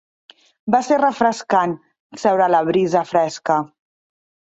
Va ser refrescant seure a la brisa fresca.